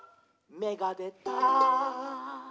「めがでた！」